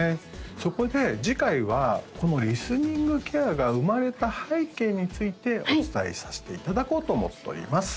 そこで次回はこのリスニングケアが生まれた背景についてお伝えさせていただこうと思っております